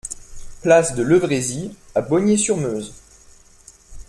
Place de Levrézy à Bogny-sur-Meuse